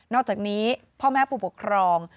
อกจากนี้พ่อแม่ผู้ปกครอง